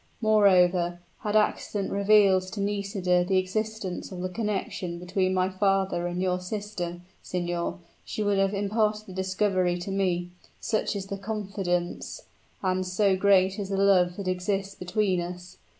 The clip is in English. Moreover, had accident revealed to Nisida the existence of the connection between my father and your sister, signor, she would have imparted the discovery to me, such is the confidence and so great is the love that exists between us.